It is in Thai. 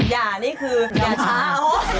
อย่านี่คืออย่าช้า